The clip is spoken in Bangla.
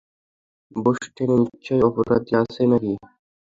বোস্টনে নিশ্চয়ই অপরাধী আছে, নাকি?